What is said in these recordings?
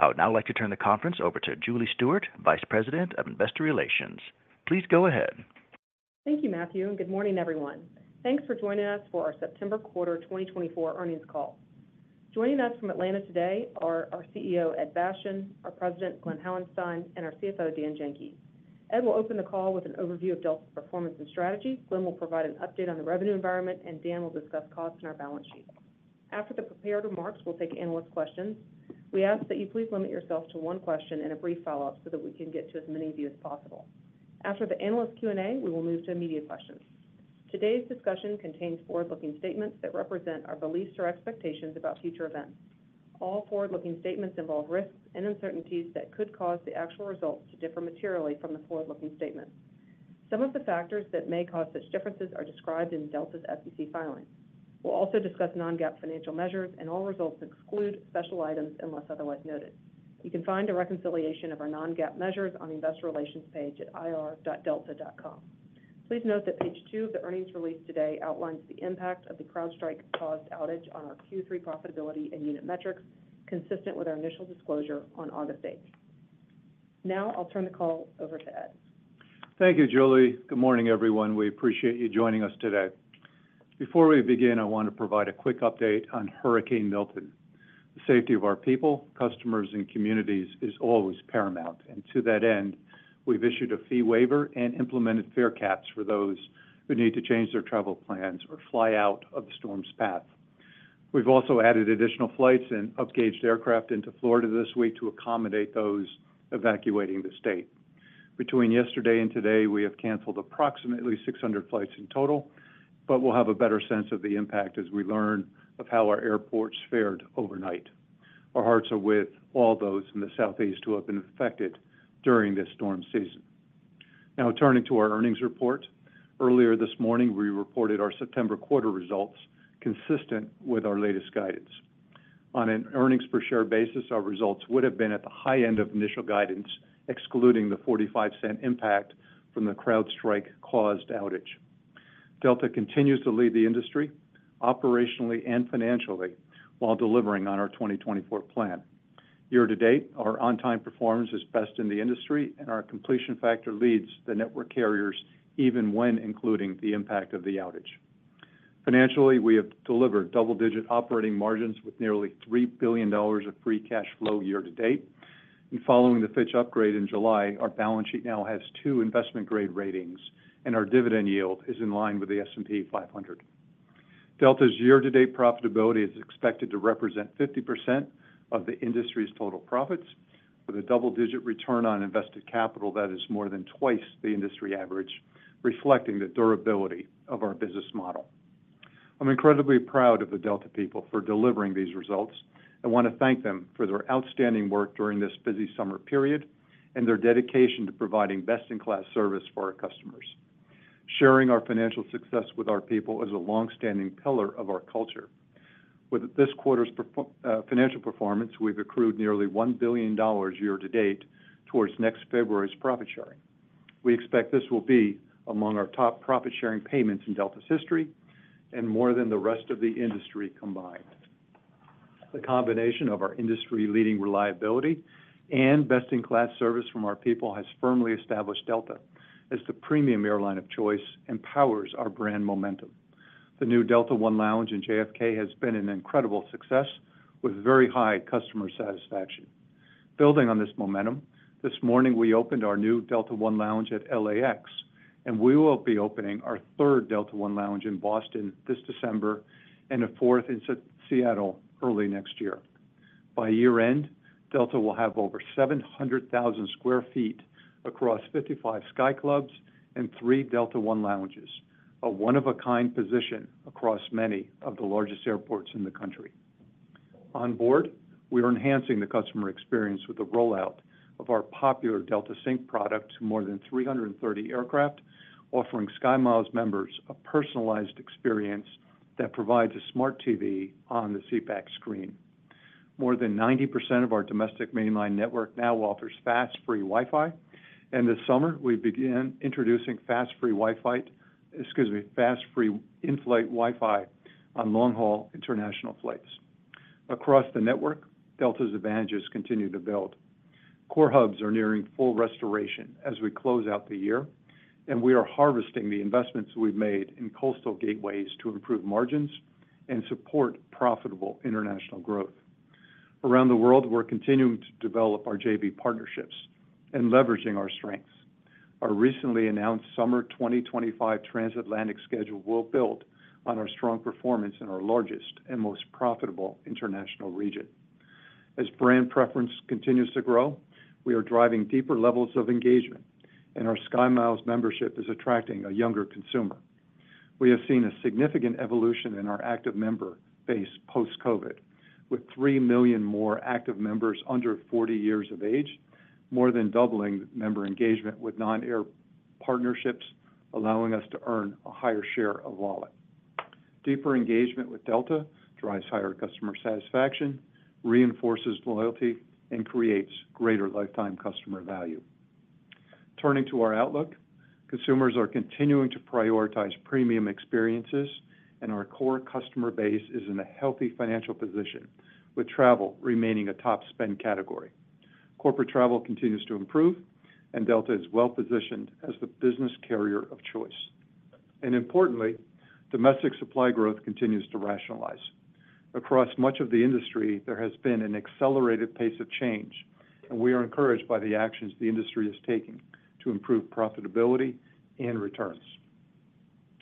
I would now like to turn the conference over to Julie Stewart, Vice President of Investor Relations. Please go ahead. Thank you, Matthew, and good morning, everyone. Thanks for joining us for our September quarter twenty twenty-four earnings call. Joining us from Atlanta today are our CEO, Ed Bastian, our President, Glen Hauenstein, and our CFO, Dan Janki. Ed will open the call with an overview of Delta's performance and strategy. Glen will provide an update on the revenue environment, and Dan will discuss costs and our balance sheet. After the prepared remarks, we'll take analyst questions. We ask that you please limit yourself to one question and a brief follow-up, so that we can get to as many of you as possible. After the analyst Q&A, we will move to immediate questions. Today's discussion contains forward-looking statements that represent our beliefs or expectations about future events. All forward-looking statements involve risks and uncertainties that could cause the actual results to differ materially from the forward-looking statements. Some of the factors that may cause such differences are described in Delta's SEC filings. We'll also discuss non-GAAP financial measures, and all results exclude special items unless otherwise noted. You can find a reconciliation of our non-GAAP measures on the investor relations page at ir.delta.com. Please note that page two of the earnings release today outlines the impact of the CrowdStrike-caused outage on our Q3 profitability and unit metrics, consistent with our initial disclosure on August eighth. Now, I'll turn the call over to Ed. Thank you, Julie. Good morning, everyone. We appreciate you joining us today. Before we begin, I want to provide a quick update on Hurricane Milton. The safety of our people, customers, and communities is always paramount, and to that end, we've issued a fee waiver and implemented fare caps for those who need to change their travel plans or fly out of the storm's path. We've also added additional flights and upgauged aircraft into Florida this week to accommodate those evacuating the state. Between yesterday and today, we have canceled approximately 600 flights in total, but we'll have a better sense of the impact as we learn of how our airports fared overnight. Our hearts are with all those in the Southeast who have been affected during this storm season. Now, turning to our earnings report. Earlier this morning, we reported our September quarter results, consistent with our latest guidance. On an earnings per share basis, our results would have been at the high end of initial guidance, excluding the $0.45 impact from the CrowdStrike-caused outage. Delta continues to lead the industry operationally and financially, while delivering on our 2024 plan. Year to date, our on-time performance is best in the industry, and our completion factor leads the network carriers, even when including the impact of the outage. Financially, we have delivered double-digit operating margins with nearly $3 billion of free cash flow year to date. And following the Fitch upgrade in July, our balance sheet now has two investment-grade ratings, and our dividend yield is in line with the S&P 500. Delta's year-to-date profitability is expected to represent 50% of the industry's total profits, with a double-digit return on invested capital that is more than twice the industry average, reflecting the durability of our business model. I'm incredibly proud of the Delta people for delivering these results. I want to thank them for their outstanding work during this busy summer period and their dedication to providing best-in-class service for our customers. Sharing our financial success with our people is a long-standing pillar of our culture. With this quarter's financial performance, we've accrued nearly $1 billion year to date towards next February's profit sharing. We expect this will be among our top profit-sharing payments in Delta's history and more than the rest of the industry combined. The combination of our industry-leading reliability and best-in-class service from our people has firmly established Delta as the premium airline of choice and powers our brand momentum. The new Delta One Lounge in JFK has been an incredible success with very high customer satisfaction. Building on this momentum, this morning, we opened our new Delta One Lounge at LAX, and we will be opening our third Delta One Lounge in Boston this December and a fourth in Seattle early next year. By year-end, Delta will have over 700,000 sq ft across 55 Sky Clubs and three Delta One Lounges, a one-of-a-kind position across many of the largest airports in the country. Onboard, we are enhancing the customer experience with the rollout of our popular Delta Sync product to more than 330 aircraft, offering SkyMiles members a personalized experience that provides a smart TV on the seatback screen. More than 90% of our Domestic mainline network now offers fast, free Wi-Fi, and this summer, we began introducing fast, free Wi-Fi, excuse me, fast, free in-flight Wi-Fi on long-haul international flights. Across the network, Delta's advantages continue to build. Core hubs are nearing full restoration as we close out the year, and we are harvesting the investments we've made in coastal gateways to improve margins and support profitable international growth. Around the world, we're continuing to develop our JV partnerships and leveraging our strengths. Our recently announced Summer 2025 transatlantic schedule will build on our strong performance in our largest and most profitable international region. As brand preference continues to grow, we are driving deeper levels of engagement, and our SkyMiles membership is attracting a younger consumer. We have seen a significant evolution in our active member base post-COVID, with three million more active members under forty years of age, more than doubling member engagement with non-air partnerships, allowing us to earn a higher share of wallet. Deeper engagement with Delta drives higher customer satisfaction, reinforces loyalty, and creates greater lifetime customer value.... Turning to our outlook, consumers are continuing to prioritize premium experiences, and our core customer base is in a healthy financial position, with travel remaining a top spend category. Corporate travel continues to improve, and Delta is well-positioned as the business carrier of choice. And importantly, Domestic supply growth continues to rationalize. Across much of the industry, there has been an accelerated pace of change, and we are encouraged by the actions the industry is taking to improve profitability and returns.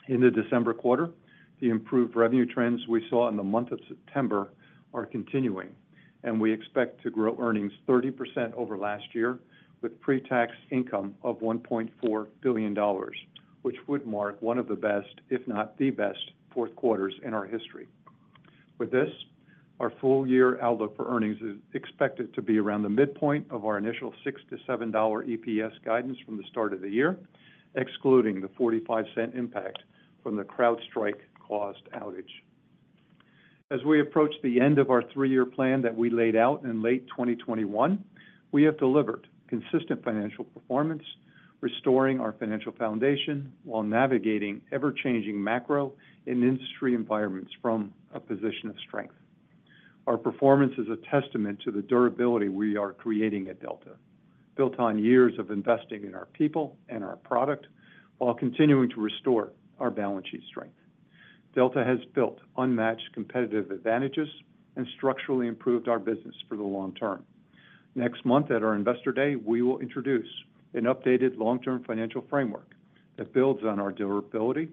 In the December quarter, the improved revenue trends we saw in the month of September are continuing, and we expect to grow earnings 30% over last year, with pre-tax income of $1.4 billion, which would mark one of the best, if not the best, fourth quarters in our history. With this, our full-year outlook for earnings is expected to be around the midpoint of our initial $6-$7 EPS guidance from the start of the year, excluding the $0.45 impact from the CrowdStrike-caused outage. As we approach the end of our three-year plan that we laid out in late 2021, we have delivered consistent financial performance, restoring our financial foundation while navigating ever-changing macro and industry environments from a position of strength. Our performance is a testament to the durability we are creating at Delta, built on years of investing in our people and our product, while continuing to restore our balance sheet strength. Delta has built unmatched competitive advantages and structurally improved our business for the long term. Next month, at our Investor Day, we will introduce an updated long-term financial framework that builds on our durability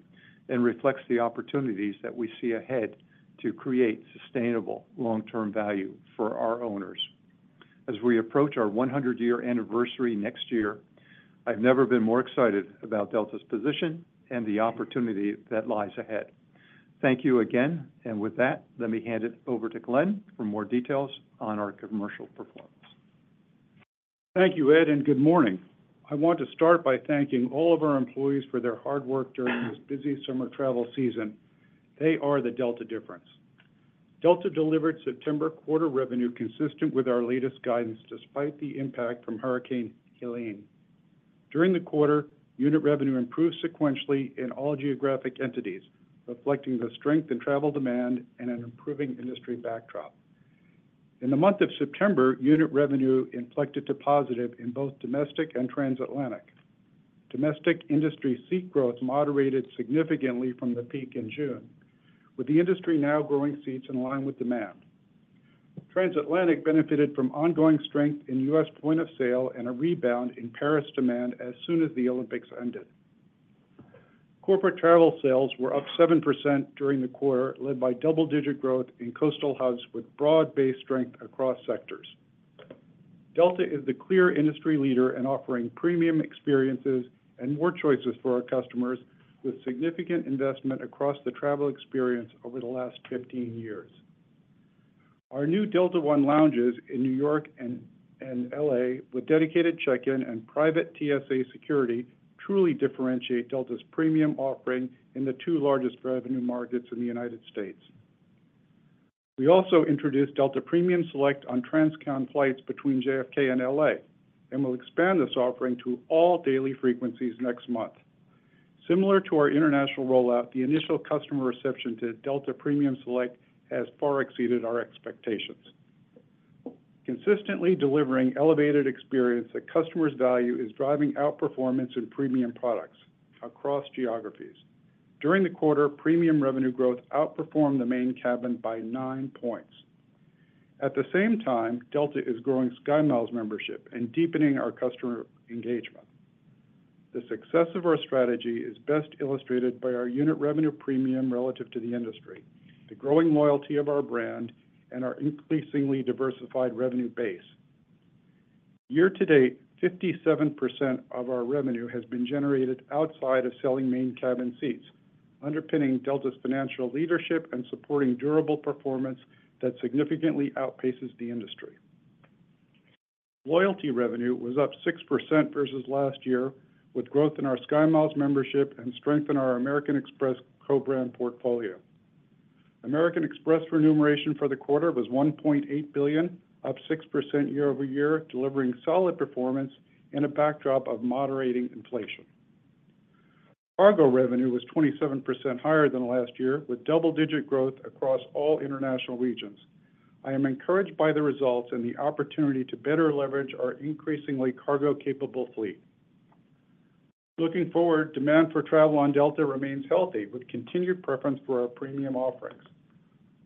and reflects the opportunities that we see ahead to create sustainable long-term value for our owners. As we approach our one hundred-year anniversary next year, I've never been more excited about Delta's position and the opportunity that lies ahead. Thank you again, and with that, let me hand it over to Glen for more details on our commercial performance. Thank you, Ed, and good morning. I want to start by thanking all of our employees for their hard work during this busy summer travel season. They are the Delta difference. Delta delivered September quarter revenue consistent with our latest guidance, despite the impact from Hurricane Helene. During the quarter, unit revenue improved sequentially in all geographic entities, reflecting the strength in travel demand and an improving industry backdrop. In the month of September, unit revenue inflected to positive in both Domestic and Transatlantic. Domestic industry seat growth moderated significantly from the peak in June, with the industry now growing seats in line with demand. Transatlantic benefited from ongoing strength in U.S. point of sale and a rebound in Paris demand as soon as the Olympics ended. Corporate travel sales were up 7% during the quarter, led by double-digit growth in coastal hubs with broad-based strength across sectors. Delta is the clear industry leader in offering premium experiences and more choices for our customers, with significant investment across the travel experience over the last 15 years. Our new Delta One lounges in New York and LA, with dedicated check-in and private TSA security, truly differentiate Delta's premium offering in the two largest revenue markets in the United States. We also introduced Delta Premium Select on transcon flights between JFK and LA, and we'll expand this offering to all daily frequencies next month. Similar to our international rollout, the initial customer reception to Delta Premium Select has far exceeded our expectations. Consistently delivering elevated experience that customers value is driving outperformance in premium products across geographies. During the quarter, premium revenue growth outperformed the Main Cabin by nine points. At the same time, Delta is growing SkyMiles membership and deepening our customer engagement. The success of our strategy is best illustrated by our unit revenue premium relative to the industry, the growing loyalty of our brand, and our increasingly diversified revenue base. Year to date, 57% of our revenue has been generated outside of selling Main Cabin seats, underpinning Delta's financial leadership and supporting durable performance that significantly outpaces the industry. Loyalty revenue was up 6% versus last year, with growth in our SkyMiles membership and strength in our American Express co-brand portfolio. American Express remuneration for the quarter was $1.8 billion, up 6% year over year, delivering solid performance in a backdrop of moderating inflation. Cargo revenue was 27% higher than last year, with double-digit growth across all international regions. I am encouraged by the results and the opportunity to better leverage our increasingly cargo-capable fleet. Looking forward, demand for travel on Delta remains healthy, with continued preference for our premium offerings.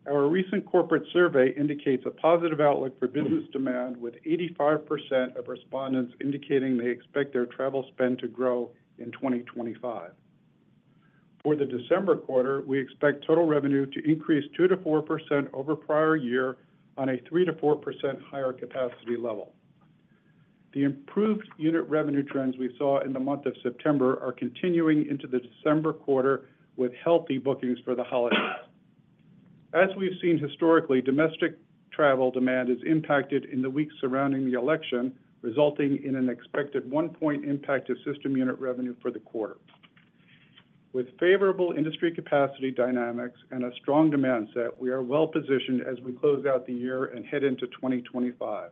Our recent corporate survey indicates a positive outlook for business demand, with 85% of respondents indicating they expect their travel spend to grow in 2025. For the December quarter, we expect total revenue to increase 2%-4% over prior year on a 3%-4% higher capacity level. The improved unit revenue trends we saw in the month of September are continuing into the December quarter, with healthy bookings for the holidays. As we've seen historically, Domestic travel demand is impacted in the weeks surrounding the election, resulting in an expected one-point impact to system unit revenue for the quarter. With favorable industry capacity dynamics and a strong demand set, we are well positioned as we close out the year and head into 2025.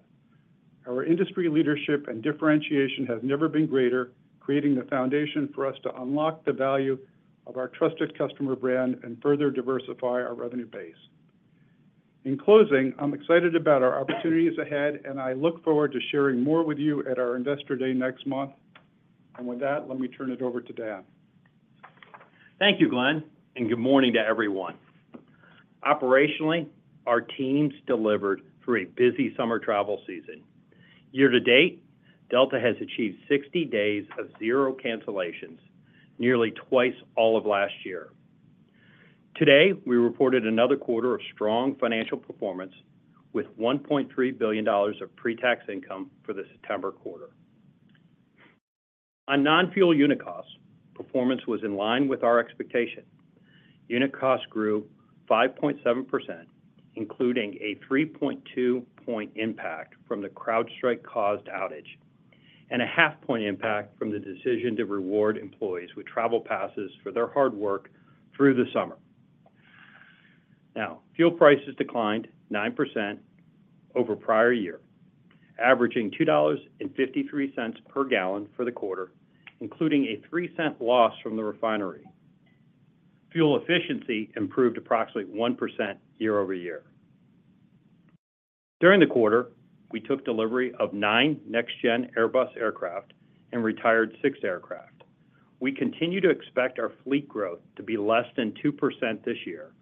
Our industry leadership and differentiation has never been greater, creating the foundation for us to unlock the value of our trusted customer brand and further diversify our revenue base. In closing, I'm excited about our opportunities ahead, and I look forward to sharing more with you at our Investor Day next month, and with that, let me turn it over to Dan. Thank you, Glen, and good morning to everyone. Operationally, our teams delivered through a busy summer travel season. Year to date, Delta has achieved 60 days of zero cancellations, nearly twice all of last year. Today, we reported another quarter of strong financial performance with $1.3 billion of pre-tax income for the September quarter. On non-fuel unit costs, performance was in line with our expectation. Unit costs grew 5.7%, including a 3.2-point impact from the CrowdStrike-caused outage and a 0.5-point impact from the decision to reward employees with travel passes for their hard work through the summer. Now, fuel prices declined 9% over prior year, averaging $2.53 per gallon for the quarter, including a 3-cent loss from the refinery. Fuel efficiency improved approximately 1% year over year. During the quarter, we took delivery of 9 next-gen Airbus aircraft and retired 6 aircraft. We continue to expect our fleet growth to be less than 2% this year,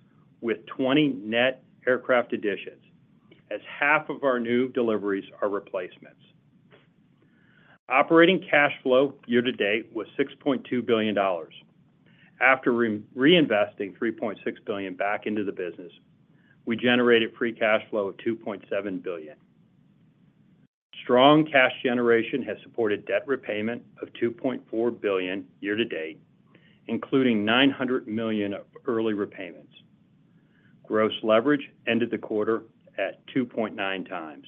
with 20 net aircraft additions, as half of our new deliveries are replacements. Operating cash flow year to date was $6.2 billion. After reinvesting $3.6 billion back into the business, we generated free cash flow of $2.7 billion. Strong cash generation has supported debt repayment of $2.4 billion year to date, including $900 million of early repayments. Gross leverage ended the quarter at 2.9 times.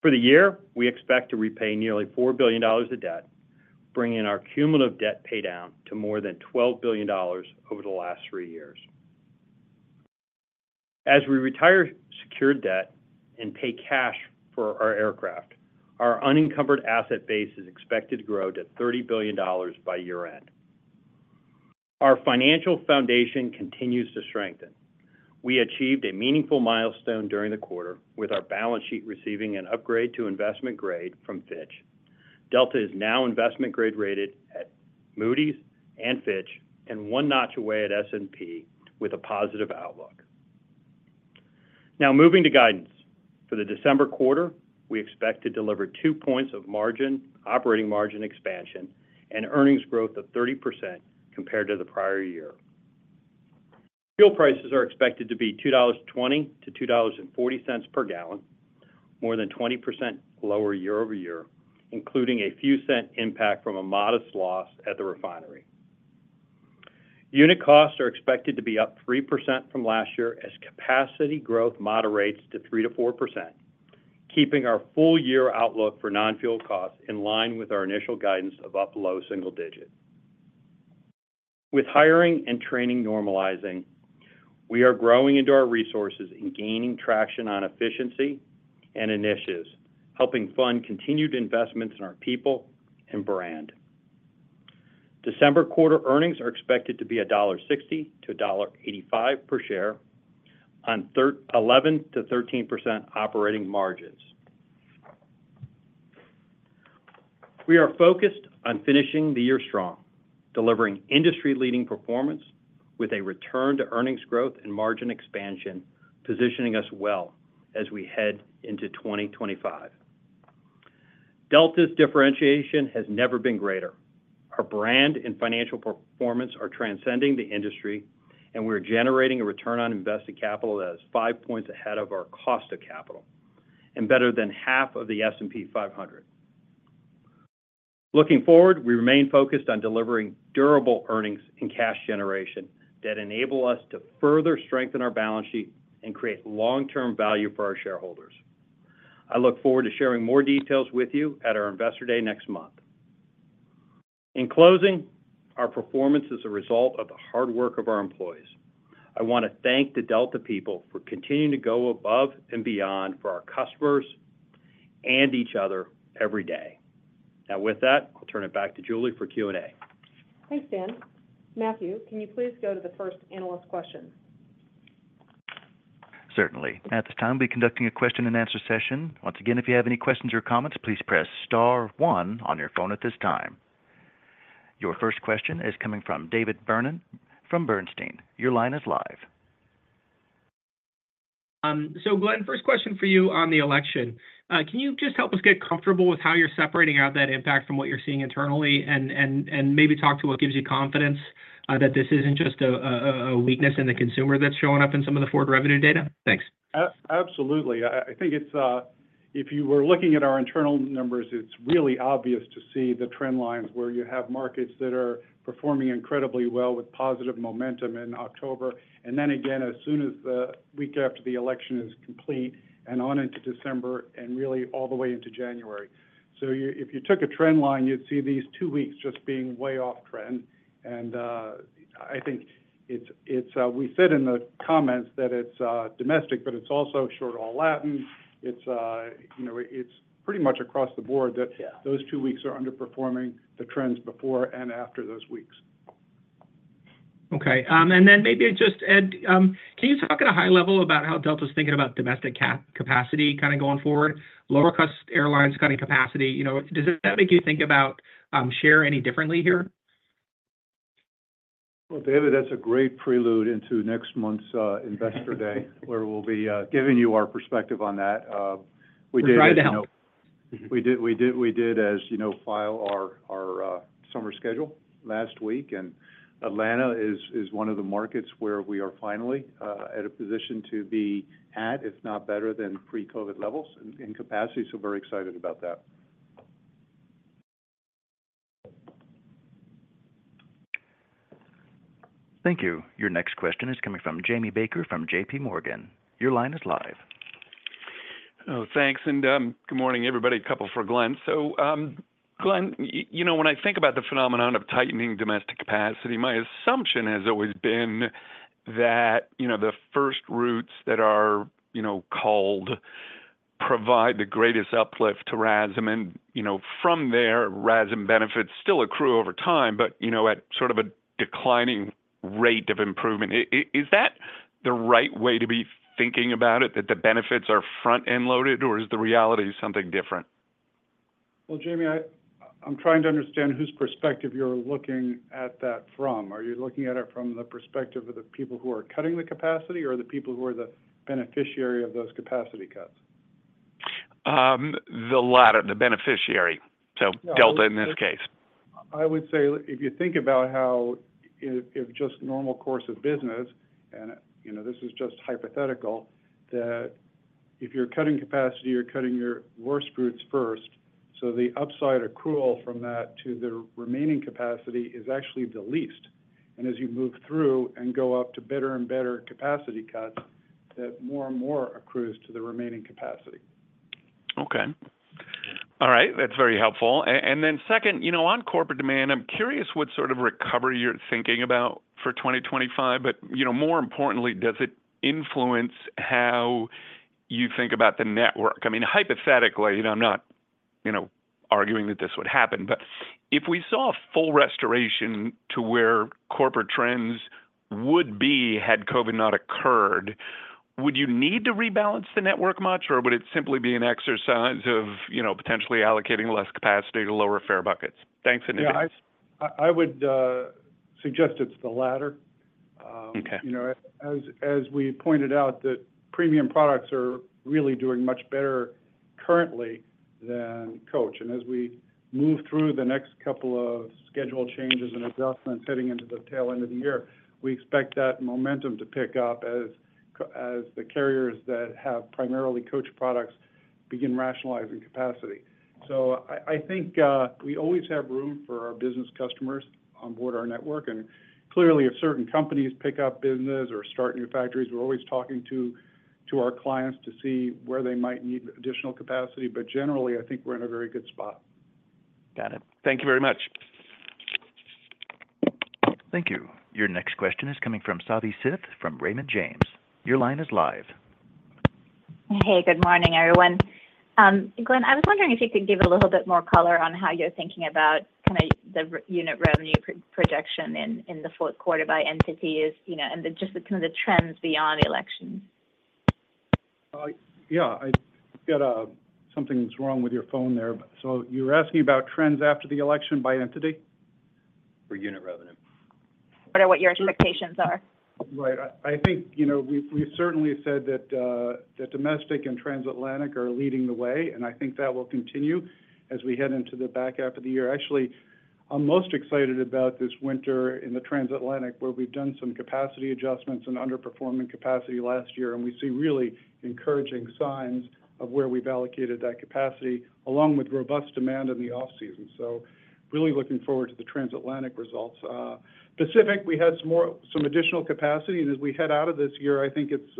For the year, we expect to repay nearly $4 billion of debt, bringing our cumulative debt paydown to more than $12 billion over the last three years. As we retire secured debt and pay cash for our aircraft, our unencumbered asset base is expected to grow to $30 billion by year-end. Our financial foundation continues to strengthen. We achieved a meaningful milestone during the quarter with our balance sheet receiving an upgrade to investment grade from Fitch. Delta is now investment grade rated at Moody's and Fitch, and one notch away at S&P, with a positive outlook. Now, moving to guidance. For the December quarter, we expect to deliver two points of margin, operating margin expansion and earnings growth of 30% compared to the prior year. Fuel prices are expected to be $2.20-$2.40 per gallon, more than 20% lower year over year, including a few cents impact from a modest loss at the refinery. Unit costs are expected to be up 3% from last year as capacity growth moderates to 3%-4%, keeping our full year outlook for non-fuel costs in line with our initial guidance of up to low single digit. With hiring and training normalizing, we are growing into our resources and gaining traction on efficiency and initiatives, helping fund continued investments in our people and brand. December quarter earnings are expected to be $1.60-$1.85 per share on eleven to thirteen percent operating margins. We are focused on finishing the year strong, delivering industry-leading performance with a return to earnings growth and margin expansion, positioning us well as we head into 2025. Delta's differentiation has never been greater. Our brand and financial performance are transcending the industry, and we're generating a return on invested capital that is five points ahead of our cost of capital and better than half of the S&P 500. Looking forward, we remain focused on delivering durable earnings and cash generation that enable us to further strengthen our balance sheet and create long-term value for our shareholders. I look forward to sharing more details with you at our Investor Day next month. In closing, our performance is a result of the hard work of our employees. I want to thank the Delta people for continuing to go above and beyond for our customers and each other every day. Now, with that, I'll turn it back to Julie for Q&A. Thanks, Dan. Matthew, can you please go to the first analyst question? Certainly. At this time, we'll be conducting a question-and-answer session. Once again, if you have any questions or comments, please press star one on your phone at this time. Your first question is coming from David Vernon from Bernstein. Your line is live. Glen, first question for you on the election. Can you just help us get comfortable with how you're separating out that impact from what you're seeing internally, and maybe talk to what gives you confidence that this isn't just a weakness in the consumer that's showing up in some of the forward revenue data? Thanks. Absolutely. I think it's, if you were looking at our internal numbers, it's really obvious to see the trend lines where you have markets that are performing incredibly well with positive momentum in October, and then again, as soon as the week after the election is complete and on into December and really all the way into January.... So you, if you took a trend line, you'd see these two weeks just being way off trend, and, I think it's, we said in the comments that it's, Domestic, but it's also short-haul Latin. It's, you know, it's pretty much across the board that- Yeah Those two weeks are underperforming the trends before and after those weeks. Okay. And then maybe just, Ed, can you talk at a high level about how Delta's thinking about Domestic capacity kind of going forward? Lower cost airlines cutting capacity, you know, does that make you think about, share any differently here? David, that's a great prelude into next month's Investor Day, where we'll be giving you our perspective on that. We did- We tried to help. We did, as you know, file our summer schedule last week, and Atlanta is one of the markets where we are finally at a position to be at, if not better than pre-COVID levels in capacity. So we're very excited about that. Thank you. Your next question is coming from Jamie Baker, from J.P. Morgan. Your line is live. Oh, thanks, and good morning, everybody. A couple for Glen. So, Glen, you know, when I think about the phenomenon of tightening Domestic capacity, my assumption has always been that, you know, the first routes that are, you know, called, provide the greatest uplift to RASM. And, you know, from there, RASM benefits still accrue over time, but, you know, at sort of a declining rate of improvement. Is that the right way to be thinking about it, that the benefits are front-end loaded, or is the reality something different? Jamie, I'm trying to understand whose perspective you're looking at that from. Are you looking at it from the perspective of the people who are cutting the capacity or the people who are the beneficiary of those capacity cuts? The latter, the beneficiary, so Delta, in this case. I would say, if you think about how, if just normal course of business, and, you know, this is just hypothetical, that if you're cutting capacity, you're cutting your worst routes first, so the upside accrual from that to the remaining capacity is actually the least, and as you move through and go up to better and better capacity cuts, that more and more accrues to the remaining capacity. Okay. All right. That's very helpful, and then second, you know, on corporate demand, I'm curious what sort of recovery you're thinking about for 2025, but, you know, more importantly, does it influence how you think about the network? I mean, hypothetically, you know, I'm not, you know, arguing that this would happen, but if we saw a full restoration to where corporate trends would be, had COVID not occurred, would you need to rebalance the network much, or would it simply be an exercise of, you know, potentially allocating less capacity to lower fare buckets? Thanks, and- Yeah, I would suggest it's the latter. Okay. You know, as we pointed out, that premium products are really doing much better currently than Coach. And as we move through the next couple of schedule changes and adjustments heading into the tail end of the year, we expect that momentum to pick up as the carriers that have primarily Coach products begin rationalizing capacity. So I think we always have room for our business customers on board our network. And clearly, if certain companies pick up business or start new factories, we're always talking to our clients to see where they might need additional capacity. But generally, I think we're in a very good spot. Got it. Thank you very much. Thank you. Your next question is coming from Savi Syth from Raymond James. Your line is live. Hey, good morning, everyone. Glen, I was wondering if you could give a little bit more color on how you're thinking about kind of the unit revenue projection in the fourth quarter by entity, you know, and just the kind of trends beyond the election. Yeah, something's wrong with your phone there, so you're asking about trends after the election by entity? For unit revenue. Or what your expectations are. Right. I think, you know, we've certainly said that, that Domestic and transatlantic are leading the way, and I think that will continue as we head into the back half of the year. Actually, I'm most excited about this winter in the transatlantic, where we've done some capacity adjustments and underperforming capacity last year, and we see really encouraging signs of where we've allocated that capacity, along with robust demand in the off-season. So really looking forward to the transatlantic results. Pacific, we had some additional capacity, and as we head out of this year, I think it's,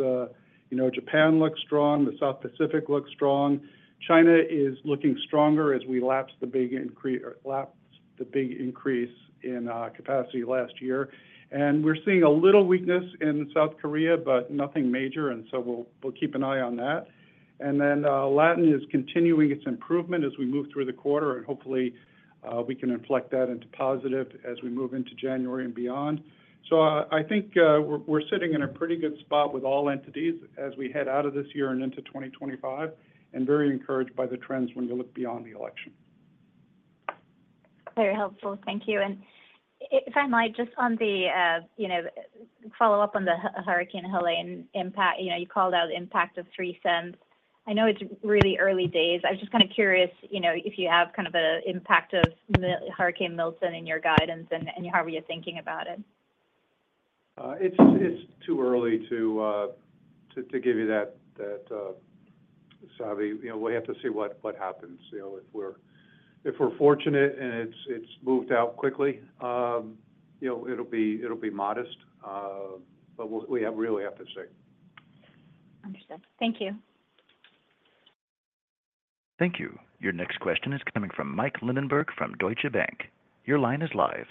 you know, Japan looks strong, the South Pacific looks strong. China is looking stronger as we lapse the big increase or lapse the big increase in, capacity last year. We're seeing a little weakness in South Korea, but nothing major, and so we'll keep an eye on that. Then Latin is continuing its improvement as we move through the quarter, and hopefully we can inflect that into positive as we move into January and beyond. I think we're sitting in a pretty good spot with all entities as we head out of this year and into 2025, and very encouraged by the trends when you look beyond the election. Very helpful. Thank you. And if I might, just on the, you know, follow up on the Hurricane Helene impact. You know, you called out impact of $0.03. I know it's really early days. I was just kind of curious, you know, if you have kind of an impact of Hurricane Milton in your guidance and however you're thinking about it. It's too early to give you that, Savi. You know, we have to see what happens. You know, if we're fortunate and it's moved out quickly, you know, it'll be modest, but we really have to see.... Understood. Thank you. Thank you. Your next question is coming from Michael Linenberg from Deutsche Bank. Your line is live.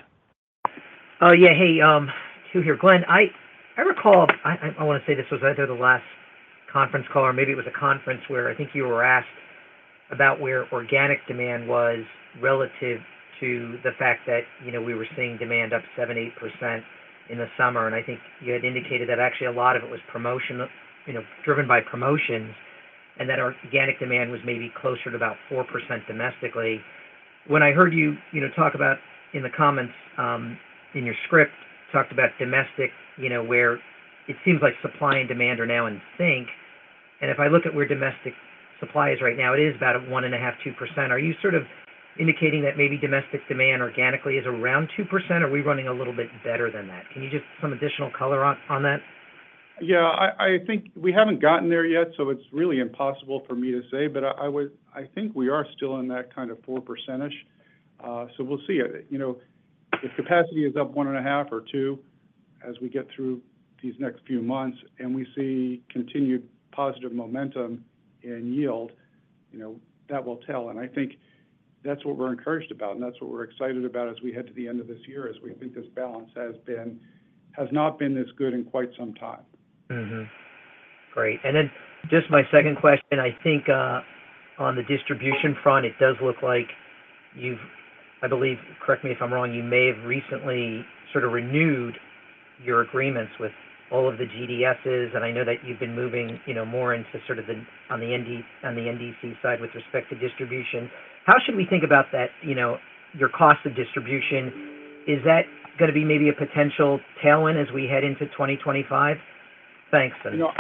Yeah. Hey, Duane here. Glen, I recall, I want to say this was either the last conference call or maybe it was a conference where I think you were asked about where organic demand was relative to the fact that, you know, we were seeing demand up 7%-8% in the summer. And I think you had indicated that actually a lot of it was promotions, you know, driven by promotions, and that our organic demand was maybe closer to about 4% domestically. When I heard you, you know, talk about in the comments, in your script, talked about Domestic, you know, where it seems like supply and demand are now in sync. And if I look at where Domestic supply is right now, it is about a 1.5%-2%. Are you sort of indicating that maybe Domestic demand organically is around 2%, or are we running a little bit better than that? Can you just some additional color on, on that? Yeah, I think we haven't gotten there yet, so it's really impossible for me to say. But I would. I think we are still in that kind of 4%. So we'll see. You know, if capacity is up one and a half or two as we get through these next few months, and we see continued positive momentum in yield, you know, that will tell. And I think that's what we're encouraged about, and that's what we're excited about as we head to the end of this year, as we think this balance has not been this good in quite some time. Mm-hmm. Great. And then just my second question, I think, on the distribution front, it does look like you've, I believe, correct me if I'm wrong, you may have recently sort of renewed your agreements with all of the GDSs, and I know that you've been moving, you know, more into sort of the, on the NDC side with respect to distribution. How should we think about that, you know, your cost of distribution? Is that gonna be maybe a potential tailwind as we head into twenty twenty-five?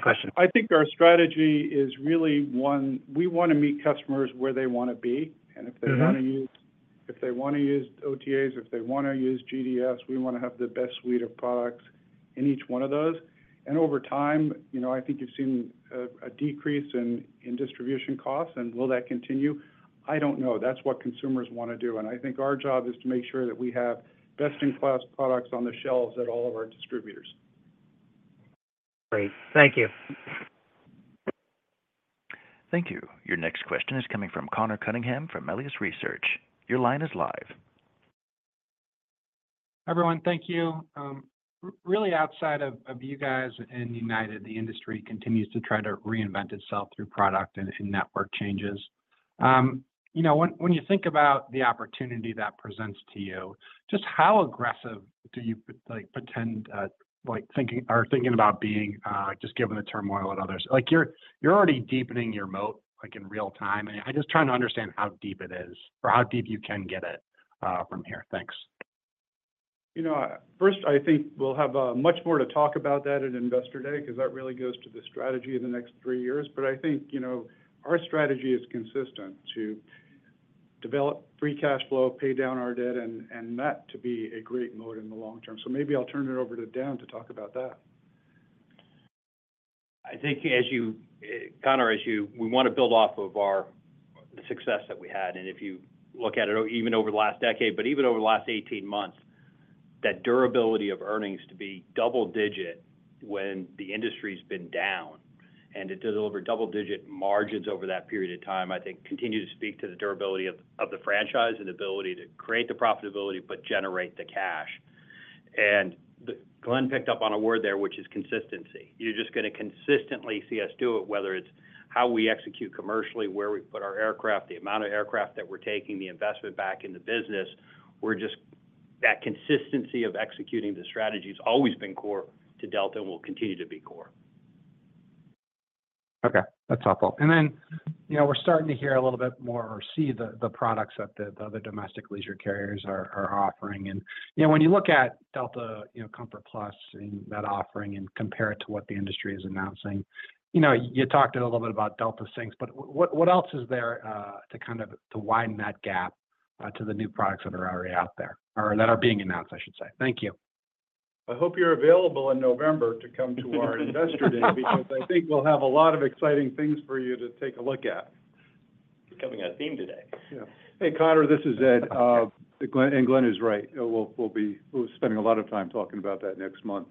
Thanks. I think our strategy is really, one, we want to meet customers where they want to be. And if they want to use OTAs, if they want to use GDS, we want to have the best suite of products in each one of those. And over time, you know, I think you've seen a decrease in distribution costs. And will that continue? I don't know. That's what consumers want to do, and I think our job is to make sure that we have best-in-class products on the shelves at all of our distributors. Great. Thank you. Thank you. Your next question is coming from Conor Cunningham from Melius Research. Your line is live. Everyone, thank you. Really outside of you guys and United, the industry continues to try to reinvent itself through product and network changes. You know, when you think about the opportunity that presents to you, just how aggressive do you plan to be, like, pretending or thinking about being, just given the turmoil at others? Like, you're already deepening your moat, like, in real time, and I'm just trying to understand how deep it is or how deep you can get it from here. Thanks. You know, first, I think we'll have much more to talk about that at Investor Day, because that really goes to the strategy of the next three years. But I think, you know, our strategy is consistent to develop free cash flow, pay down our debt, and that to be a great moat in the long term. So maybe I'll turn it over to Dan to talk about that. I think as you, Conor, as you—we want to build off of our, the success that we had, and if you look at it, even over the last decade, but even over the last 18 months, that durability of earnings to be double digit when the industry's been down and to deliver double-digit margins over that period of time, I think continues to speak to the durability of, of the franchise and ability to create the profitability, but generate the cash. And the—Glen picked up on a word there, which is consistency. You're just gonna consistently see us do it, whether it's how we execute commercially, where we put our aircraft, the amount of aircraft that we're taking, the investment back in the business. We're just... That consistency of executing the strategy has always been core to Delta and will continue to be core. Okay, that's helpful. And then, you know, we're starting to hear a little bit more or see the products that the other Domestic leisure carriers are offering. And, you know, when you look at Delta, you know, Comfort+ and that offering and compare it to what the industry is announcing, you know, you talked a little bit about Delta Sync, but what else is there to kind of widen that gap to the new products that are already out there, or that are being announced, I should say? Thank you. I hope you're available in November to come to our Investor Day, because I think we'll have a lot of exciting things for you to take a look at. Becoming a theme today. Yeah. Hey, Conor, this is Ed. Glen, and Glen is right. We'll be spending a lot of time talking about that next month.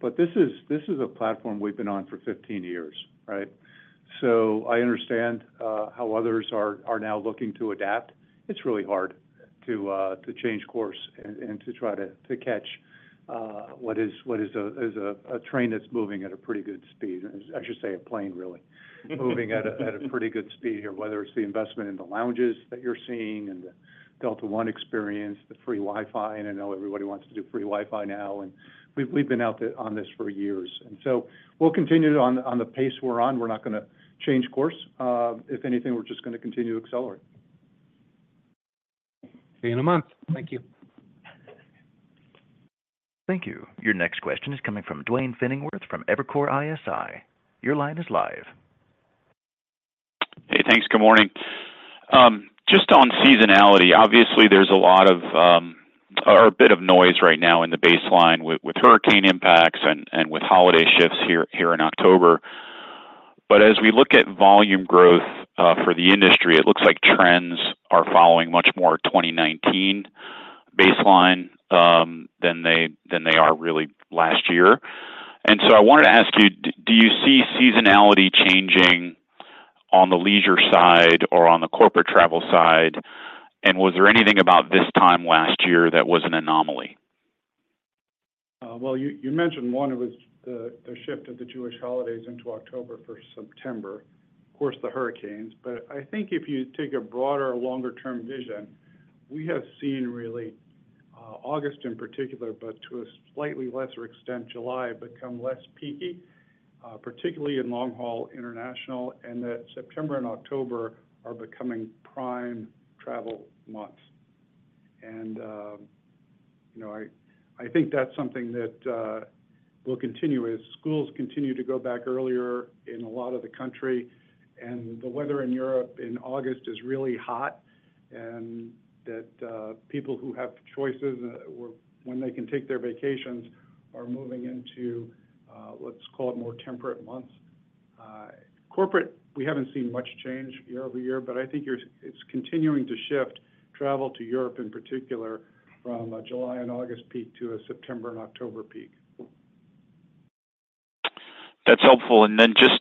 But this is a platform we've been on for 15 years, right? So I understand how others are now looking to adapt. It's really hard to change course and to try to catch what is a train that's moving at a pretty good speed. I should say a plane, really moving at a pretty good speed here, whether it's the investment in the lounges that you're seeing and the Delta One experience, the free Wi-Fi. And I know everybody wants to do free Wi-Fi now, and we've been out there on this for years, and so we'll continue on the pace we're on. We're not gonna change course. If anything, we're just gonna continue to accelerate. See you in a month. Thank you. Thank you. Your next question is coming from Duane Pfennigwerth from Evercore ISI. Your line is live. Hey, thanks. Good morning. Just on seasonality, obviously there's a lot of, or a bit of noise right now in the baseline with hurricane impacts and with holiday shifts here in October. But as we look at volume growth for the industry, it looks like trends are following much more 2019 baseline than they are really last year. And so I wanted to ask you, do you see seasonality changing on the leisure side or on the corporate travel side? And was there anything about this time last year that was an anomaly? Well, you mentioned one was the shift of the Jewish holidays into October for September. Of course, the hurricanes, but I think if you take a broader, longer-term vision, we have seen really August in particular, but to a slightly lesser extent, July, become less peaky, particularly in long-haul international, and that September and October are becoming prime travel months. And you know, I think that's something that will continue as schools continue to go back earlier in a lot of the country, and the weather in Europe in August is really hot, and that people who have choices or when they can take their vacations are moving into what's called more temperate months. Corporate, we haven't seen much change year over year, but I think it's continuing to shift travel to Europe, in particular, from a July and August peak to a September and October peak. That's helpful. And then just...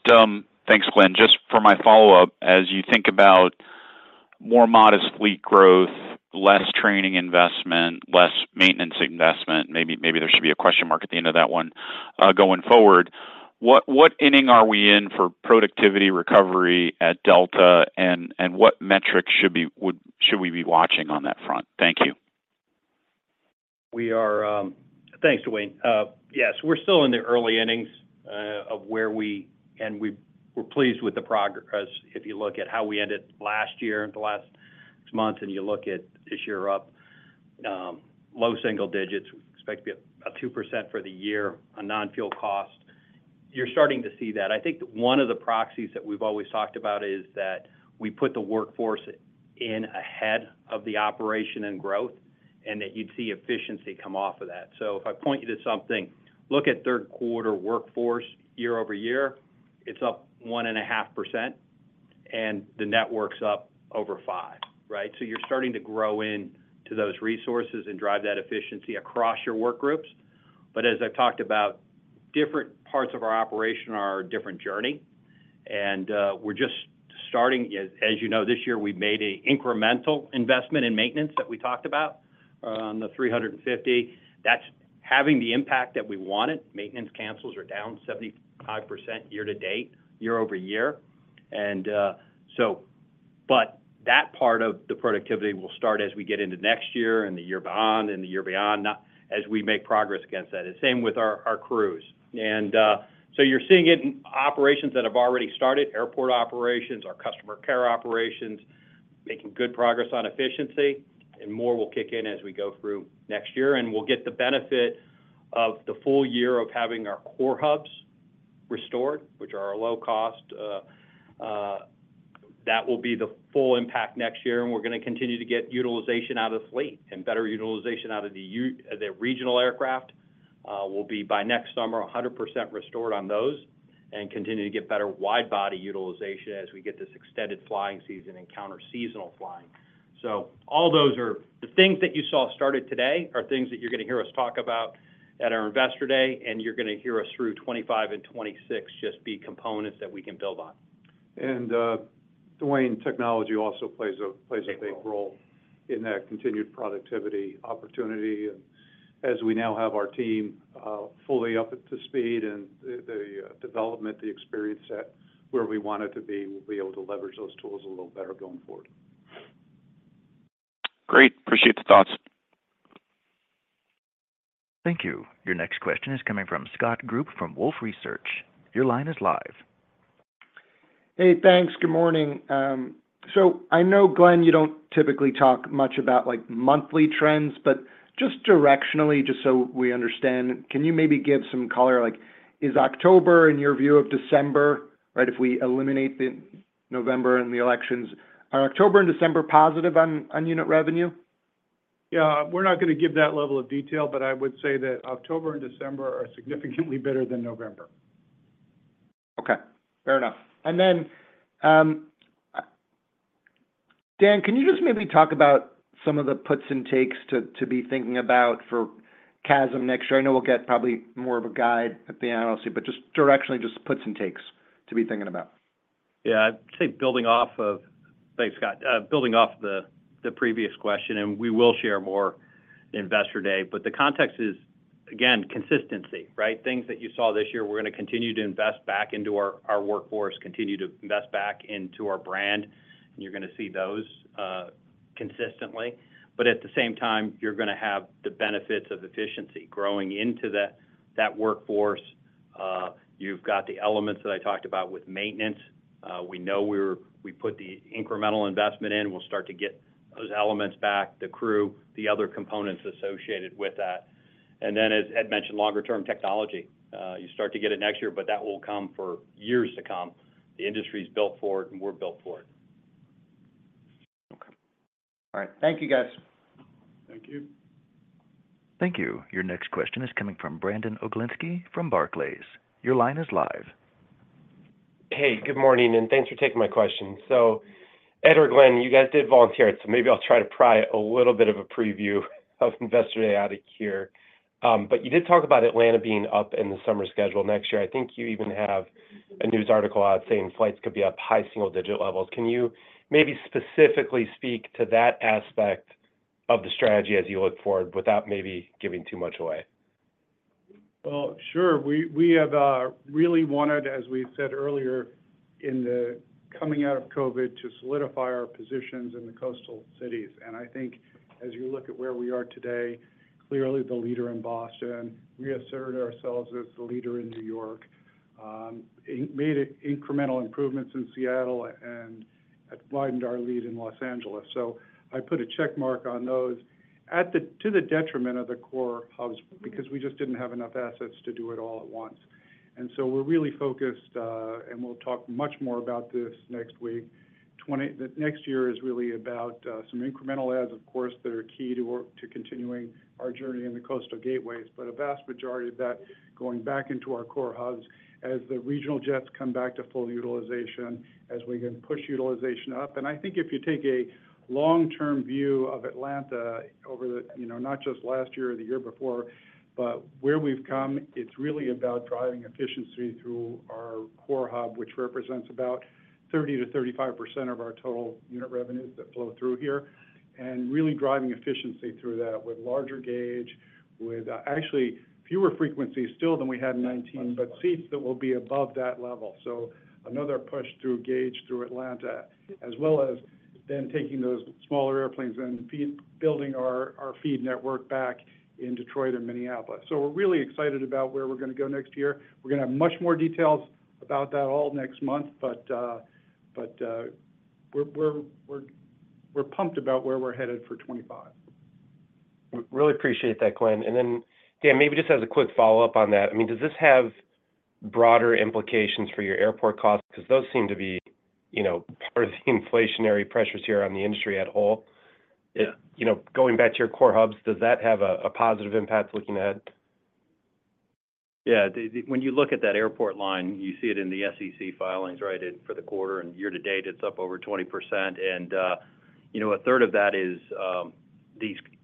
Thanks, Glen. Just for my follow-up, as you think about more modest fleet growth, less training investment, less maintenance investment, maybe there should be a question mark at the end of that one, going forward, what inning are we in for productivity recovery at Delta? And what metrics should we be watching on that front? Thank you. We are. Thanks, Duane. Yes, we're still in the early innings of where we and we're pleased with the progress. If you look at how we ended last year, the last six months, and you look at this year up, low single digits, we expect to be up 2% for the year on non-fuel cost. You're starting to see that. I think one of the proxies that we've always talked about is that we put the workforce in ahead of the operation and growth, and that you'd see efficiency come off of that. So if I point you to something, look at third quarter workforce year over year, it's up 1.5%, and the network's up over 5%, right? So you're starting to grow in to those resources and drive that efficiency across your work groups. But as I've talked about, different parts of our operation are a different journey, and, we're just starting. As, as you know, this year, we've made a incremental investment in maintenance that we talked about on the A350. That's having the impact that we wanted. Maintenance cancels are down 75% year to date, year over year. And, so, but that part of the productivity will start as we get into next year and the year beyond and the year beyond, not as we make progress against that. The same with our crews. And, so you're seeing it in operations that have already started, airport operations, our customer care operations, making good progress on efficiency, and more will kick in as we go through next year. We'll get the benefit of the full year of having our core hubs restored, which are our low cost. That will be the full impact next year, and we're gonna continue to get utilization out of the fleet and better utilization out of the regional aircraft. We'll be, by next summer, 100% restored on those and continue to get better wide body utilization as we get this extended flying season and counter seasonal flying. So all those are the things that you saw started today, are things that you're gonna hear us talk about at our Investor Day, and you're gonna hear us through 2025 and 2026, just be components that we can build on. Duane, technology also plays a big role- In that continued productivity opportunity, and as we now have our team fully up to speed and the development, the experience set where we want it to be, we'll be able to leverage those tools a little better going forward. Great. Appreciate the thoughts. Thank you. Your next question is coming from Scott Group, from Wolfe Research. Your line is live. Hey, thanks. Good morning. So I know, Glen, you don't typically talk much about, like, monthly trends, but just directionally, just so we understand, can you maybe give some color? Like, is October, in your view of December, right, if we eliminate the November and the elections, are October and December positive on unit revenue? Yeah. We're not gonna give that level of detail, but I would say that October and December are significantly better than November. Okay, fair enough. And then, Dan, can you just maybe talk about some of the puts and takes to be thinking about for CASM next year? I know we'll get probably more of a guide at the analyst day, but just directionally, just puts and takes to be thinking about. Yeah. I'd say building off of... Thanks, Scott. Building off the previous question, and we will share more in Investor Day. But the context is, again, consistency, right? Things that you saw this year, we're gonna continue to invest back into our workforce, continue to invest back into our brand, and you're gonna see those consistently. But at the same time, you're gonna have the benefits of efficiency growing into that workforce. You've got the elements that I talked about with maintenance. We know we put the incremental investment in, we'll start to get those elements back, the crew, the other components associated with that. And then, as Ed mentioned, longer-term technology. You start to get it next year, but that will come for years to come. The industry is built for it, and we're built for it. All right. Thank you, guys. Thank you. Thank you. Your next question is coming from Brandon Oglenski from Barclays. Your line is live. Hey, good morning, and thanks for taking my question. So, Ed or Glen, you guys did volunteer it, so maybe I'll try to pry a little bit of a preview of Investor Day out of here. But you did talk about Atlanta being up in the summer schedule next year. I think you even have a news article out saying flights could be up high single-digit levels. Can you maybe specifically speak to that aspect of the strategy as you look forward, without maybe giving too much away? Well, sure. We have really wanted, as we said earlier, in the coming out of COVID, to solidify our positions in the coastal cities. And I think as you look at where we are today, clearly the leader in Boston, reasserted ourselves as the leader in New York, made incremental improvements in Seattle and had widened our lead in Los Angeles. So I put a check mark on those at the to the detriment of the core hubs, because we just didn't have enough assets to do it all at once. And so we're really focused, and we'll talk much more about this next week. Next year is really about some incremental adds, of course, that are key to our continuing our journey in the coastal gateways, but a vast majority of that going back into our core hubs as the regional jets come back to full utilization, as we can push utilization up. I think if you take a long-term view of Atlanta over the, you know, not just last year or the year before, but where we've come, it's really about driving efficiency through our core hub, which represents about 30%-35% of our total unit revenues that flow through here. Really driving efficiency through that with larger gauge, with actually fewer frequencies still than we had in 2019, but seats that will be above that level. Another push through gauge through Atlanta, as well as then taking those smaller airplanes and rebuilding our feeder network back in Detroit and Minneapolis. We're really excited about where we're gonna go next year. We're gonna have much more details about that all next month, but we're pumped about where we're headed for twenty-five. Really appreciate that, Glen. And then, Dan, maybe just as a quick follow-up on that, I mean, does this have broader implications for your airport costs? Because those seem to be, you know, part of the inflationary pressures here on the industry as a whole. Yeah. You know, going back to your core hubs, does that have a positive impact looking ahead? Yeah. The when you look at that airport line, you see it in the SEC filings, right, for the quarter and year to date, it's up over 20%. And you know, a third of that is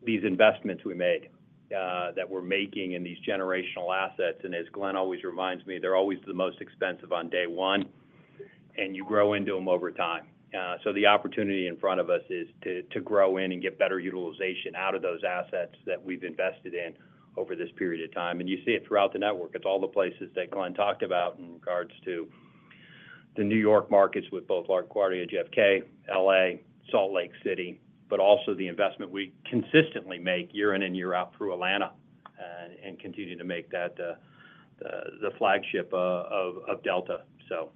these investments we made that we're making in these generational assets. And as Glen always reminds me, they're always the most expensive on day one, and you grow into them over time. So the opportunity in front of us is to grow in and get better utilization out of those assets that we've invested in over this period of time. And you see it throughout the network. It's all the places that Glen talked about in regards to the New York markets with both LaGuardia, JFK, LA, Salt Lake City, but also the investment we consistently make year in and year out through Atlanta, and continue to make that the flagship of Delta. So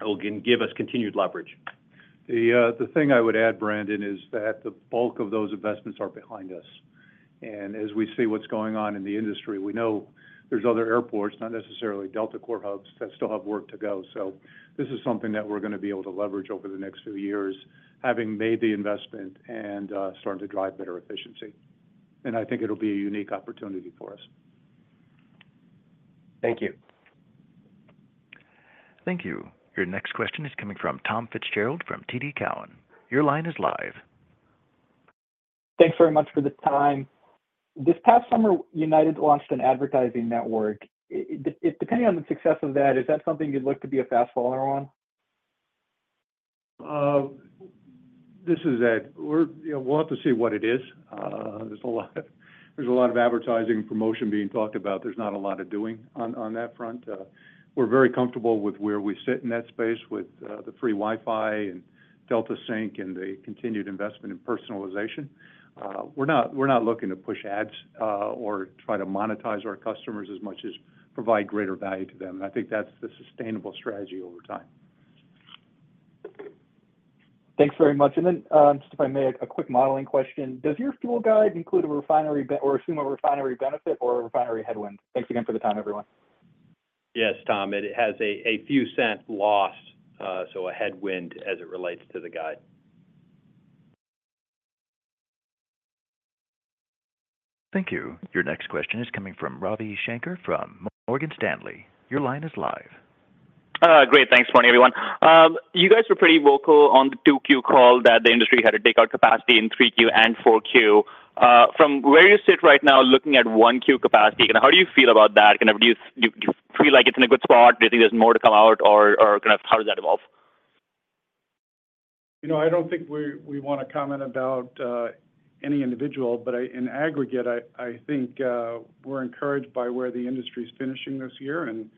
it'll give us continued leverage. The thing I would add, Brandon, is that the bulk of those investments are behind us. And as we see what's going on in the industry, we know there's other airports, not necessarily Delta core hubs, that still have work to go. So this is something that we're gonna be able to leverage over the next few years, having made the investment and starting to drive better efficiency. And I think it'll be a unique opportunity for us. Thank you. Thank you. Your next question is coming from Tom Fitzgerald from TD Cowen. Your line is live. Thanks very much for the time. This past summer, United launched an advertising network. Depending on the success of that, is that something you'd look to be a fast follower on? This is Ed. You know, we'll have to see what it is. There's a lot, there's a lot of advertising promotion being talked about. There's not a lot of doing on that front. We're very comfortable with where we sit in that space with the free Wi-Fi and Delta Sync and the continued investment in personalization. We're not looking to push ads or try to monetize our customers as much as provide greater value to them. And I think that's the sustainable strategy over time. Thanks very much. And then, just if I may, a quick modeling question: Does your fuel guide include a refinery or assume a refinery benefit or a refinery headwind? Thanks again for the time, everyone. Yes, Tom, it has a few cents loss, so a headwind as it relates to the guide. Thank you. Your next question is coming from Ravi Shanker from Morgan Stanley. Your line is live. Great. Thanks. Good morning, everyone. You guys were pretty vocal on the 2Q call that the industry had to take out capacity in 3Q and 4Q. From where you sit right now, looking at 1Q capacity, and how do you feel about that? Kind of, do you feel like it's in a good spot? Do you think there's more to come out, or kind of how does that evolve? You know, I don't think we want to comment about any individual, but in aggregate, I think we're encouraged by where the industry is finishing this year, and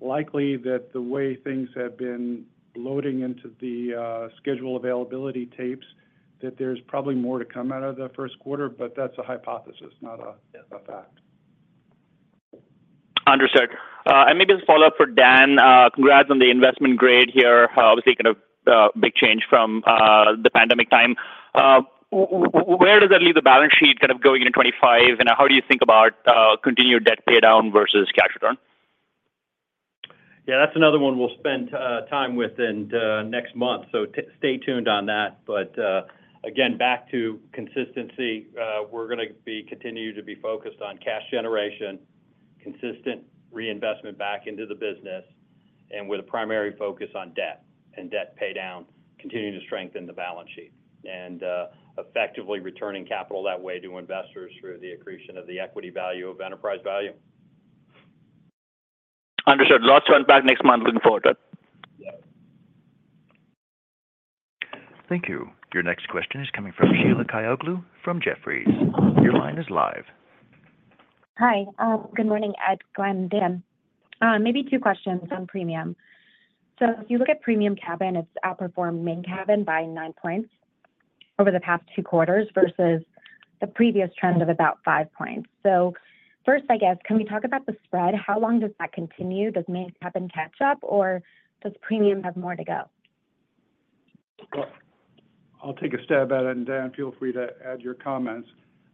likely that the way things have been loading into the schedule availability tapes, that there's probably more to come out of the first quarter, but that's a hypothesis, not a fact. Understood, and maybe just a follow-up for Dan. Congrats on the investment grade here. Obviously, kind of big change from the pandemic time. Where does that leave the balance sheet kind of going into twenty-five, and how do you think about continued debt paydown versus cash return? Yeah, that's another one we'll spend time with in next month, so stay tuned on that. But again, back to consistency, we're gonna be continue to be focused on cash generation, consistent reinvestment back into the business, and with a primary focus on debt and debt paydown, continuing to strengthen the balance sheet. And effectively returning capital that way to investors through the accretion of the equity value of enterprise value. Understood. Lots on back next month. Looking forward to it. Thank you. Your next question is coming from Sheila Kahyaoglu from Jefferies. Your line is live. Hi. Good morning, Ed, Glen, Dan. Maybe two questions on premium. So if you look at premium cabin, it's outperformed Main Cabin by nine points over the past two quarters versus the previous trend of about five points. So first, I guess, can we talk about the spread? How long does that continue? Does Main Cabin catch up, or does premium have more to go? Well, I'll take a stab at it, and Dan, feel free to add your comments.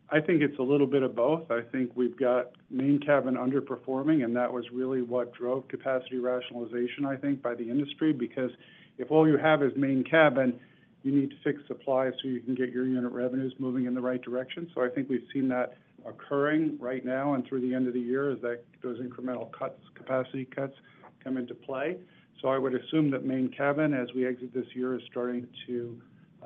I think it's a little bit of both. I think we've got Main Cabin underperforming, and that was really what drove capacity rationalization, I think, by the industry, because if all you have is Main Cabin, you need to fix supply so you can get your unit revenues moving in the right direction. So I think we've seen that occurring right now and through the end of the year as those incremental cuts, capacity cuts come into play. So I would assume that Main Cabin, as we exit this year, is starting to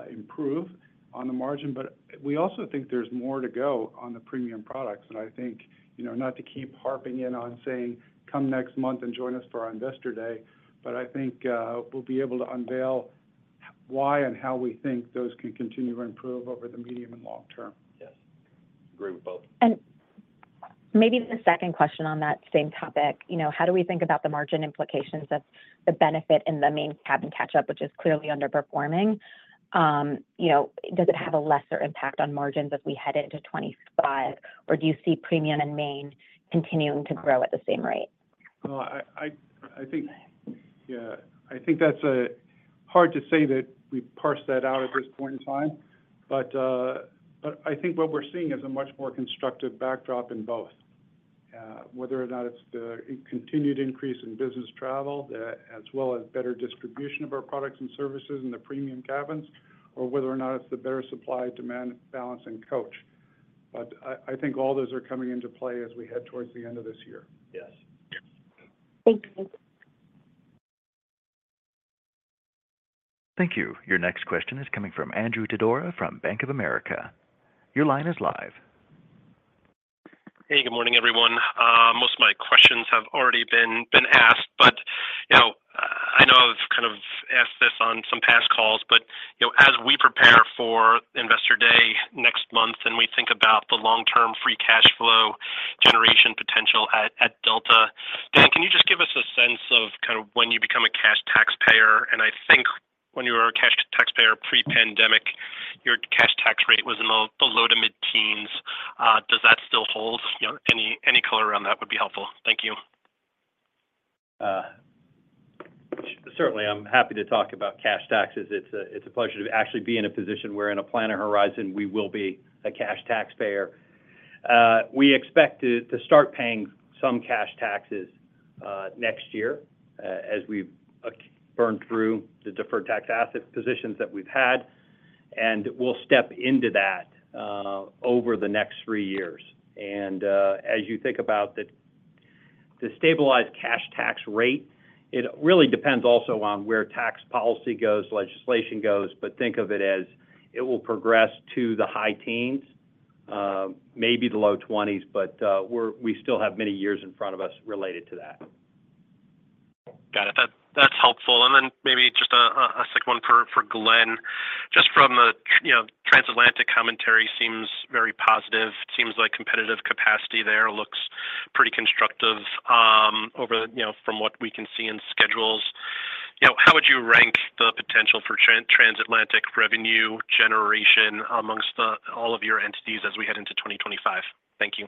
improve on the margin. But we also think there's more to go on the premium products. I think, you know, not to keep harping in on saying, "Come next month and join us for our Investor Day," but I think we'll be able to unveil why and how we think those can continue to improve over the medium and long term. Yes, agree with both. Maybe the second question on that same topic. You know, how do we think about the margin implications of the benefit in the Main Cabin catch-up, which is clearly underperforming? You know, does it have a lesser impact on margins as we head into 2025, or do you see premium and main continuing to grow at the same rate? I think, yeah, I think that's hard to say that we parse that out at this point in time. But, but I think what we're seeing is a much more constructive backdrop in both, whether or not it's the continued increase in business travel, as well as better distribution of our products and services in the premium cabins, or whether or not it's the better supply-demand balance in coach. But I think all those are coming into play as we head towards the end of this year. Yes. Thank you. Thank you. Your next question is coming from Andrew Didora from Bank of America. Your line is live. Hey, good morning, everyone. Most of my questions have already been asked, but, you know, I know I've kind of asked this on some past calls, but, you know, as we prepare for Investor Day next month, and we think about the long-term free cash flow generation potential at Delta, Dan, can you just give us a sense of kind of when you become a cash taxpayer? And I think when you were a cash taxpayer pre-pandemic, your cash tax rate was in the low to mid-teens. Does that still hold? You know, any color around that would be helpful. Thank you. Certainly, I'm happy to talk about cash taxes. It's a, it's a pleasure to actually be in a position where in a planning horizon, we will be a cash taxpayer. We expect to start paying some cash taxes next year as we burn through the deferred tax asset positions that we've had, and we'll step into that over the next three years, and as you think about the stabilized cash tax rate, it really depends also on where tax policy goes, legislation goes, but think of it as it will progress to the high teens, maybe the low twenties, but we still have many years in front of us related to that. Got it. That, that's helpful. And then maybe just a second one for, for Glen. Just from a you know, transatlantic commentary seems very positive. Seems like competitive capacity there looks pretty constructive, over, you know, from what we can see in schedules. You know, how would you rank the potential for transatlantic revenue generation amongst the, all of your entities as we head into twenty twenty-five? Thank you.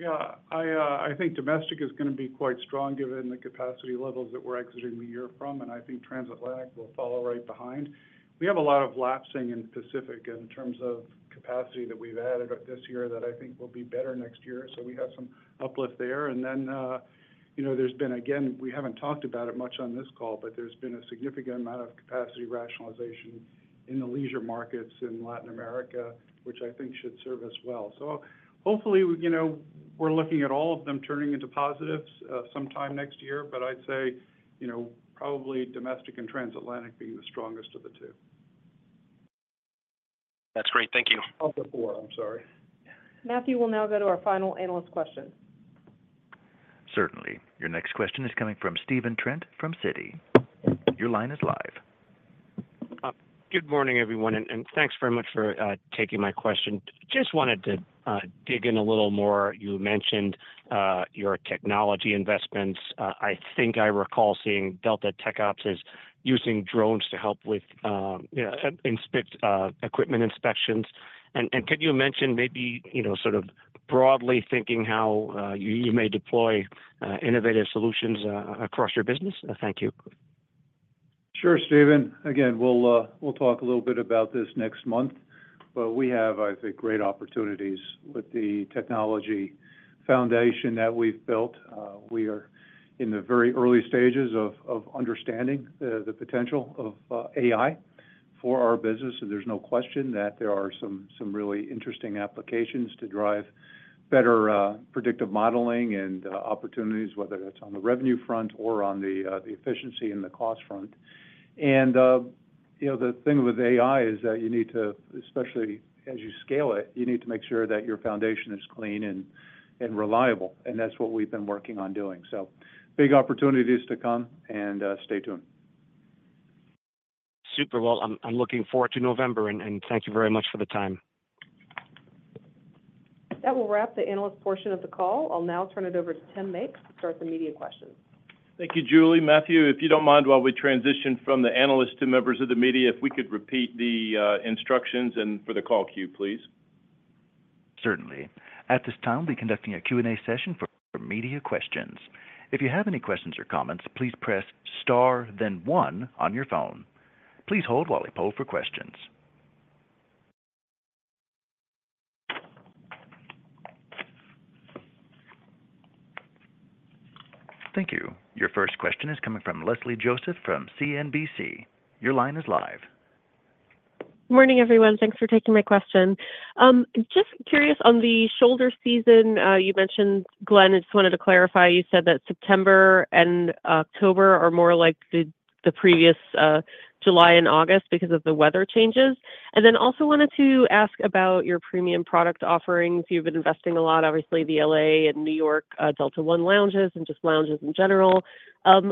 Yeah, I, I think Domestic is gonna be quite strong given the capacity levels that we're exiting the year from, and I think transatlantic will follow right behind. We have a lot of lapsing in Pacific in terms of capacity that we've added this year that I think will be better next year, so we have some uplift there. And then, you know, there's been, again, we haven't talked about it much on this call, but there's been a significant amount of capacity rationalization in the leisure markets in Latin America, which I think should serve us well. So hopefully, you know, we're looking at all of them turning into positives, sometime next year, but I'd say, you know, probably Domestic and transatlantic being the strongest of the two. That's great. Thank you. All the four, I'm sorry. Matthew, we'll now go to our final analyst question. Certainly. Your next question is coming from Stephen Trent from Citi. Your line is live. Good morning, everyone, and thanks very much for taking my question. Just wanted to dig in a little more. You mentioned your technology investments. I think I recall seeing Delta TechOps is using drones to help with equipment inspections. And could you mention maybe, you know, sort of broadly thinking how you may deploy innovative solutions across your business? Thank you.... Sure, Stephen. Again, we'll, we'll talk a little bit about this next month, but we have, I think, great opportunities with the technology foundation that we've built. We are in the very early stages of understanding the potential of AI for our business, and there's no question that there are some really interesting applications to drive better predictive modeling and opportunities, whether that's on the revenue front or on the efficiency and the cost front. And you know, the thing with AI is that you need to, especially as you scale it, you need to make sure that your foundation is clean and reliable, and that's what we've been working on doing. So big opportunities to come, and stay tuned. Super. Well, I'm looking forward to November, and thank you very much for the time. That will wrap the analyst portion of the call. I'll now turn it over to Tim Mapes to start the media questions. Thank you, Julie. Matthew, if you don't mind, while we transition from the analyst to members of the media, if we could repeat the instructions and for the call queue, please. Certainly. At this time, we're conducting a Q&A session for media questions. If you have any questions or comments, please press Star, then One on your phone. Please hold while we poll for questions. Thank you. Your first question is coming from Leslie Josephs, from CNBC. Your line is live. Good morning, everyone. Thanks for taking my question. Just curious, on the shoulder season, you mentioned, Glen, I just wanted to clarify, you said that September and October are more like the previous July and August because of the weather changes. And then also wanted to ask about your premium product offerings. You've been investing a lot, obviously, the LA and New York Delta One lounges and just lounges in general.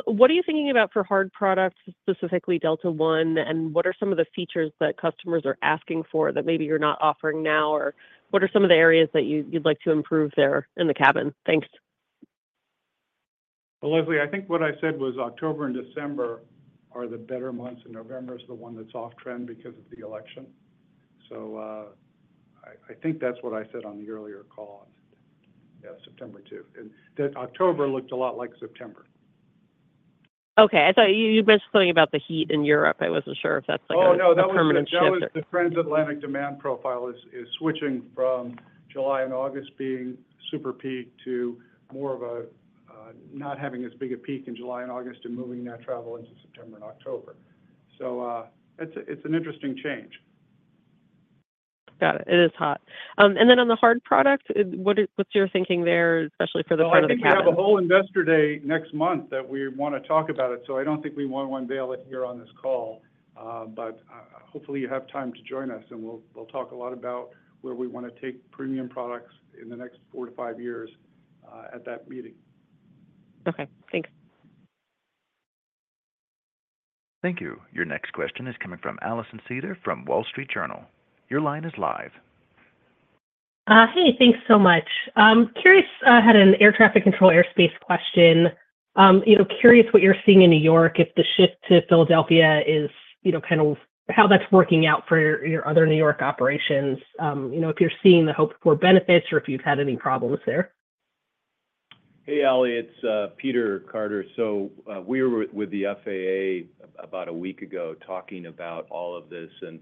What are you thinking about for hard products, specifically Delta One, and what are some of the features that customers are asking for that maybe you're not offering now? Or what are some of the areas that you'd like to improve there in the cabin? Thanks. Leslie, I think what I said was October and December are the better months, and November is the one that's off trend because of the election. So, I think that's what I said on the earlier call. Yeah, September, too. And that October looked a lot like September. Okay. I thought you mentioned something about the heat in Europe. I wasn't sure if that's, like, a permanent shift? Oh, no, that was the trans-Atlantic demand profile is switching from July and August being super peak to more of a not having as big a peak in July and August and moving that travel into September and October. So, it's an interesting change. Got it. It is hot. And then on the hard product, what's your thinking there, especially for the cabin? I think we have a whole Investor Day next month that we want to talk about it, so I don't think we want to unveil it here on this call. But hopefully, you have time to join us, and we'll talk a lot about where we want to take premium products in the next four-to-five years at that meeting. Okay. Thanks. Thank you. Your next question is coming from Alison Sider from Wall Street Journal. Your line is live. Hey, thanks so much. I'm curious, had an air traffic control airspace question. You know, curious what you're seeing in New York, if the shift to Philadelphia is, you know, kind of how that's working out for your other New York operations. You know, if you're seeing the hoped-for benefits or if you've had any problems there. Hey, Allie, it's Peter Carter. So, we were with the FAA about a week ago talking about all of this, and,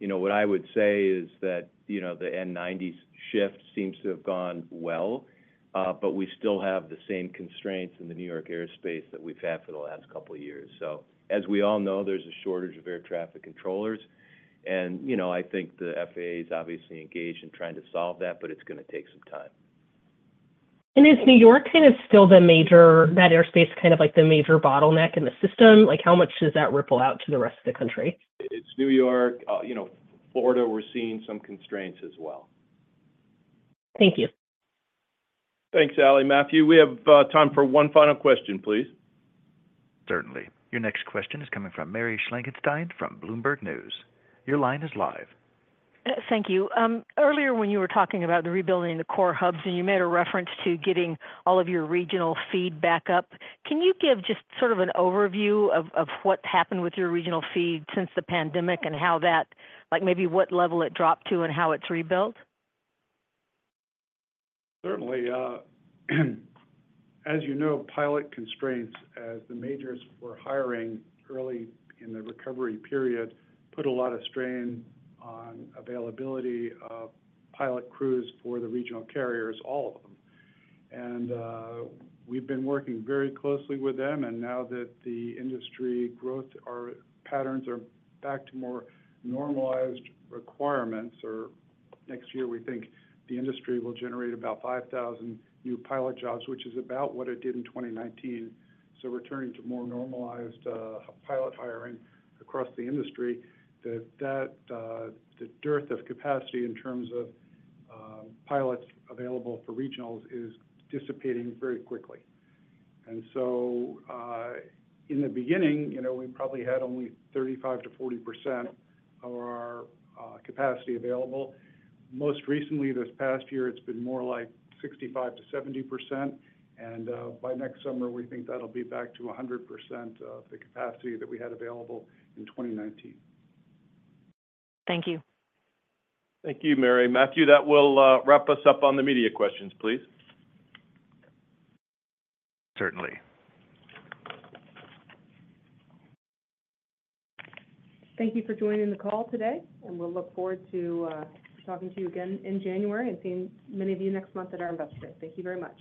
you know, what I would say is that, you know, the N90 shift seems to have gone well, but we still have the same constraints in the New York airspace that we've had for the last couple of years. So as we all know, there's a shortage of air traffic controllers, and, you know, I think the FAA is obviously engaged in trying to solve that, but it's gonna take some time. And is New York kind of still the major, that airspace, kind of like the major bottleneck in the system? Like, how much does that ripple out to the rest of the country? It's New York. You know, Florida, we're seeing some constraints as well. Thank you. Thanks, Allie. Matthew, we have time for one final question, please. Certainly. Your next question is coming from Mary Schlangenstein from Bloomberg News. Your line is live. Thank you. Earlier when you were talking about the rebuilding the core hubs, and you made a reference to getting all of your regional feed back up, can you give just sort of an overview of what's happened with your regional feed since the pandemic and how that... Like, maybe what level it dropped to and how it's rebuilt? Certainly. As you know, pilot constraints, as the majors were hiring early in the recovery period, put a lot of strain on availability of pilot crews for the regional carriers, all of them. And we've been working very closely with them, and now that the industry growth, our patterns are back to more normalized requirements, or next year, we think the industry will generate about 5,000 new pilot jobs, which is about what it did in 2019. So returning to more normalized pilot hiring across the industry, that the dearth of capacity in terms of pilots available for regionals is dissipating very quickly. And so, in the beginning, you know, we probably had only 35%–40% of our capacity available. Most recently, this past year, it's been more like 65%-70%, and by next summer, we think that'll be back to 100% of the capacity that we had available in 2019. Thank you. Thank you, Mary. Matthew, that will wrap us up on the media questions, please. Certainly. Thank you for joining the call today, and we'll look forward to talking to you again in January and seeing many of you next month at our Investor Day. Thank you very much.